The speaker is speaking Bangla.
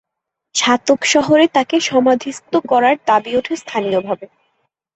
ছাতক শহরে তাকে সমাধিস্থ করার দাবি ওঠে স্থানীয়ভাবে।